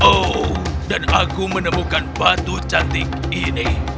oh dan aku menemukan batu cantik ini